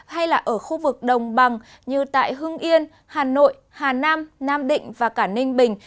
hay là ở khu vực đồng bằng như tại hưng yên hà nội hà nam nam định và cả ninh bình